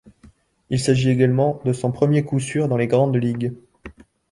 Il s'agit également de son premier coup sûr dans les grandes ligues.